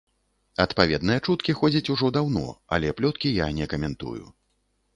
Адпаведныя чуткі ходзяць ужо даўно, але плёткі я не каментую.